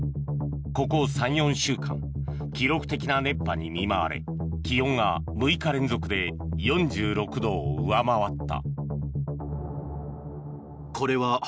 ここ３４週間記録的な熱波に見舞われ気温が６日連続で４６度を上回った。